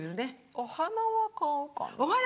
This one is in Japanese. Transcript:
お花は買うかな。